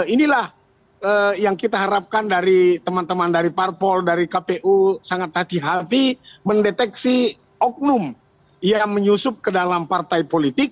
inilah yang kita harapkan dari teman teman dari parpol dari kpu sangat hati hati mendeteksi oknum yang menyusup ke dalam partai politik